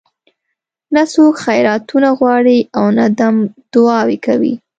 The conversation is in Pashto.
نه څوک خیراتونه غواړي او نه دم دعاوې کوي.